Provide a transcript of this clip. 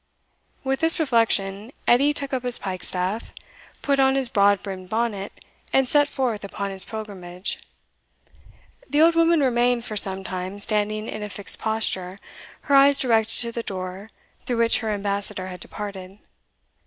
With this reflection, Edie took up his pike staff, put on his broad brimmed bonnet, and set forth upon his pilgrimage. The old woman remained for some time standing in a fixed posture, her eyes directed to the door through which her ambassador had departed.